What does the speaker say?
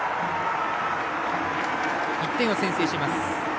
１点を先制します。